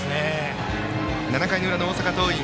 ７回の裏の大阪桐蔭。